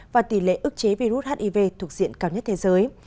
và tỷ lệ ức chế virus hiv thuộc diện cao nhất thế giới